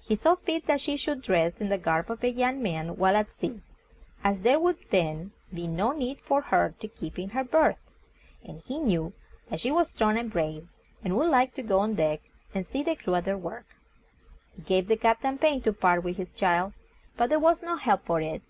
He thought fit that she should dress in the garb of a young man while at sea, as there would then be no need for her to keep in her berth, and he knew that she was strong and brave, and would like to go on deck, and see the crew at their work. It gave the Captain pain to part with his child, but there was, no help for it.